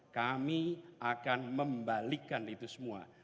kami akan membalikan itu semua